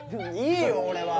いいよ俺は